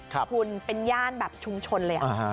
คุณเป็นย่านแบบชุมชนเลย